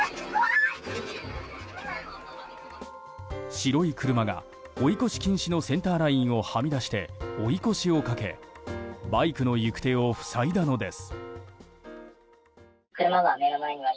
白い車が追い越し禁止のセンターラインをはみ出して追い越しをかけバイクの行く手を塞いだのです。